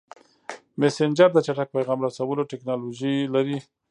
مسېنجر د چټک پیغام رسولو ټکنالوژي لري.